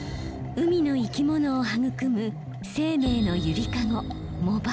海の生き物を育む生命の揺りかご藻場。